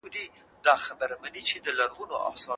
هغه د عقل او اخلاقو ترمنځ توازن ساته.